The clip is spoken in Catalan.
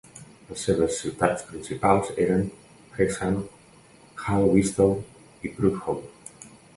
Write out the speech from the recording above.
Les seves ciutats principals eren Hexham, Haltwhistle i Prudhoe.